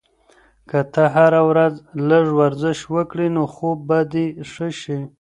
که ته هره ورځ لږ ورزش وکړې، نو خوب به دې ښه شي.